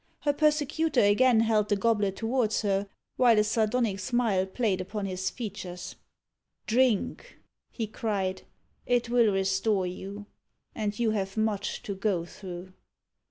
Her persecutor again held the goblet towards her, while a sardonic smile played upon his features. "Drink!" he cried; "it will restore you, and you have much to go through."